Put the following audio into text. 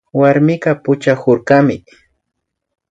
Warmika puchakurkami